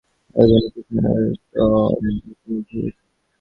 এতদিনে কুসুমের তবে সুমতি হইয়াছে?